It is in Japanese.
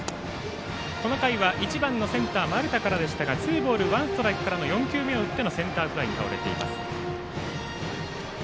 この回は１番のセンター、丸田からでしたがツーボール、ワンストライクから４球目を打ってのセンターフライに倒れています。